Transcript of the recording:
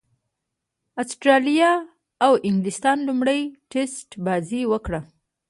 اسټراليا او انګليستان لومړۍ ټېسټ بازي وکړه.